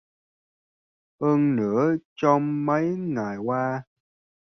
Hơn nữa trong mấy ngày qua